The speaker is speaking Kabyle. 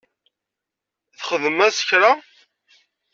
Txdem-as kra?